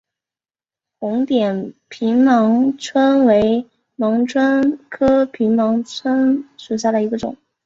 红点平盲蝽为盲蝽科平盲蝽属下的一个种。